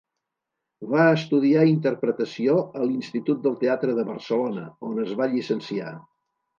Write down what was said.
Va estudiar interpretació a l'Institut del Teatre de Barcelona, on es va llicenciar.